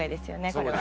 これは。